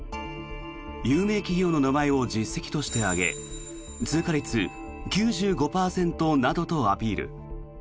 有名企業の名前を実績として挙げ通過率９５％などとアピール。